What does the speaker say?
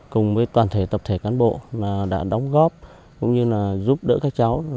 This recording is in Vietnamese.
cùng với toàn thể tập thể cán bộ đã đóng góp cũng như là giúp đỡ các cháu